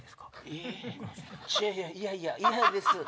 いやいやいやいや嫌です。